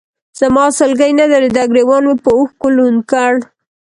زما سلګۍ نه درېدې، ګرېوان مې به اوښکو لوند کړ.